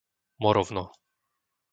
Morovno